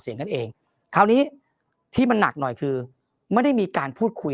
อย่างนั้นเองคราวนี้ที่มันหนักหน่อยคือไม่ได้มีการพูดคุย